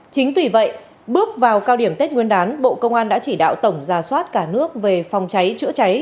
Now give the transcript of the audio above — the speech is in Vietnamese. chính vì vậy bước vào cao điểm tết nguyên đán bộ công an đã chỉ đạo tổng gia soát cả nước về phòng cháy chữa cháy